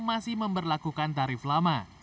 masih memberlakukan tarif lama